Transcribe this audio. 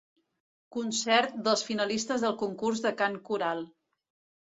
Concert dels finalistes del concurs de cant coral.